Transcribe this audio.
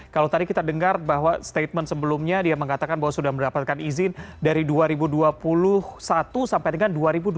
kalau tadi kita dengar bahwa statement sebelumnya dia mengatakan bahwa sudah mendapatkan izin dari dua ribu dua puluh satu sampai dengan dua ribu dua puluh